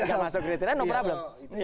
nggak masuk kriteria no problem